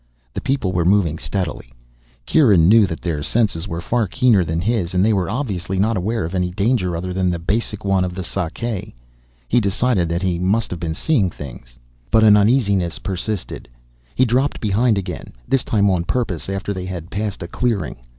The people were moving steadily. Kieran knew that their senses were far keener than his, and they were obviously not aware of any danger other than the basic one of the Sakae. He decided that he must have been seeing things. But an uneasiness persisted. He dropped behind again, this time on purpose, after they had passed a clearing.